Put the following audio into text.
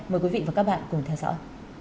mời quý vị và các bạn cùng theo dõi